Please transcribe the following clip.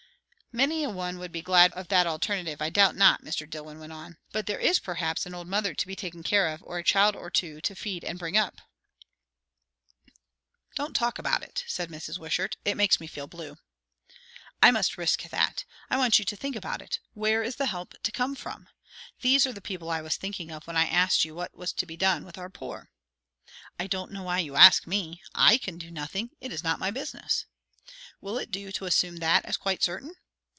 "Many a one would be glad of that alternative, I doubt not," Mr. Dillwyn went on. "But there is perhaps an old mother to be taken care of, or a child or two to feed and bring up." "Don't talk about it!" said Mrs. Wishart. "It makes me feel blue." "I must risk that. I want you to think about it. Where is help to come from? These are the people I was thinking of, when I asked you what was to be done with our poor." "I don't know why you ask me. I can do nothing. It is not my business." "Will it do to assume that as quite certain?"